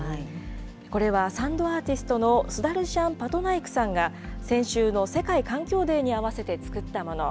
これは、サンドアーティストのスダルシャン・パトナイクさんが、先週の世界環境デーに合わせて作ったもの。